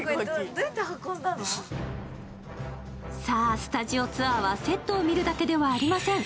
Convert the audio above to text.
さあ、スタジオツアーはセットを見るだけではありません。